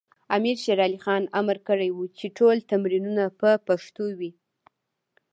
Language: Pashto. امیر شیر علی خان امر کړی و چې ټول تمرینونه په پښتو وي.